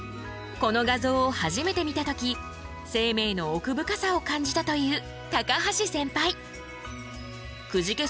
この画像を初めて見た時生命の奥深さを感じたという高橋センパイ。